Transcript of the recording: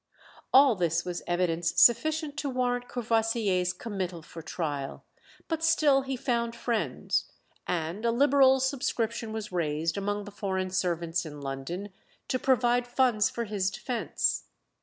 All this was evidence sufficient to warrant Courvoisier's committal for trial; but still he found friends, and a liberal subscription was raised among the foreign servants in London to provide funds for his defence.